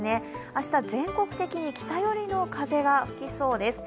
明日は全国的に北寄りの風が吹きそうです。